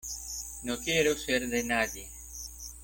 no quiero ser de nadie.